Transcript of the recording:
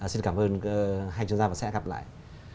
xin cảm ơn hai chuyên gia và sẽ gặp lại